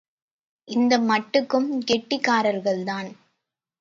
அந்த மட்டுக்கும் கெட்டிக்காரர்கள்தான்!